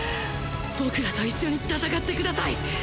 僕らと一緒に戦って下さい。